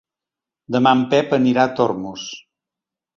Demà en Pep anirà a Tormos.